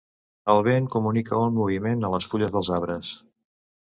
El vent comunica un moviment a les fulles dels arbres.